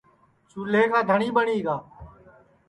چُولے کا دھٹؔی ٻٹؔی گا